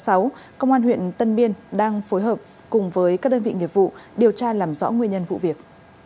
công an huyện tân biên đang phối hợp cùng với các đơn vị nghiệp vụ điều tra làm rõ nguyên nhân vụ việc